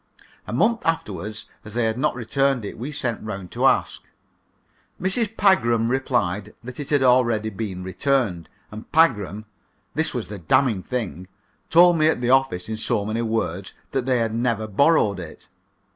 A month afterward, as they had not returned it, we sent round to ask. Mrs. Pagram replied that it had already been returned, and Pagram this was the damning thing told me at the office in so many words that they had never borrowed it.